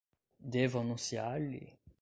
Devo anunciar-lhe?